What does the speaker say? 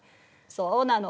そうなの。